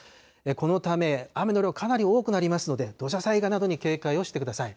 このため、雨の量かなり多くなりますので、土砂災害などに警戒をしてください。